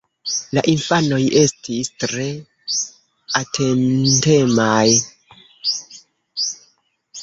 La infanoj estis tre atentemaj.